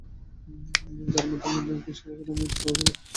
যার মাধ্যমে ব্যাংকটি সেবা প্রধান করে থাকে।